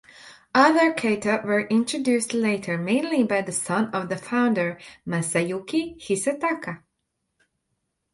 Other kata were introduced later, mainly by the son of the founder, Masayuki Hisataka.